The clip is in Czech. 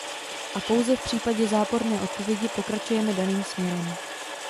A pouze v případě záporné odpovědi pokračujeme daným směrem.